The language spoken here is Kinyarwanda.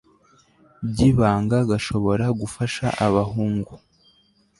by'ibanga gashobora gufasha abahungu